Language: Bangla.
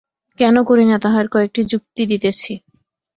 কেন করি না তাহার কয়েকটি যুক্তি দিতেছি।